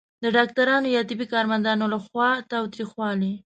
د ډاکټرانو یا طبي کارمندانو لخوا تاوتریخوالی